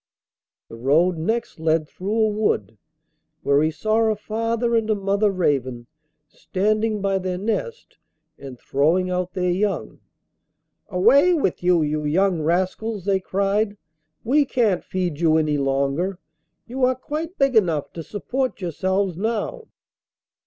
The road next led through a wood, where he saw a father and a mother raven standing by their nest and throwing out their young: 'Away with you, you young rascals!' they cried, 'we can't feed you any longer. You are quite big enough to support yourselves now.